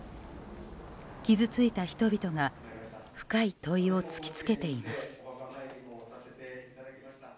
傷ついた人々が深い問いを突き付けています。